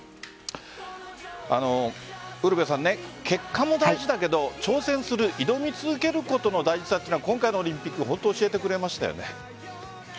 結果も大事だけど挑戦する挑み続けることの大事さは今回のオリンピックで本当教えてくれましたよね。